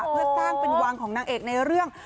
เพื่อสร้างเป็นวังของนางเอกในเรื่อง